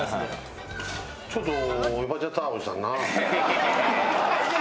ちょっと。